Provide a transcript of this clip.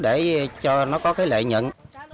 để cho nó có cái lệ nhận